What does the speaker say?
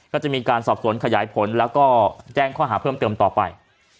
ก็จะมีการสอบสวนขยายผลแล้วก็แจ้งข้อหาเพิ่มเติมต่อไป